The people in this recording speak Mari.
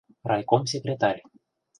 Райком секретарь.